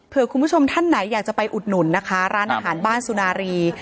เพื่อคุณผู้ชมท่านไหนอยากจะไปอุดหนุนนะคะร้านอาหารบ้านสุนารี